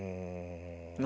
何？